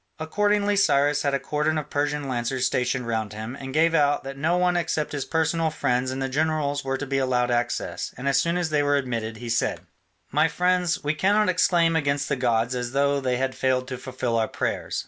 Accordingly Cyrus had a cordon of Persian lancers stationed round him, and gave out that no one except his personal friends and the generals were to be allowed access, and as soon as they were admitted he said: "My friends, we cannot exclaim against the gods as though they had failed to fulfil our prayers.